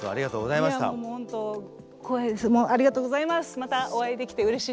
またお会いできてうれしいです。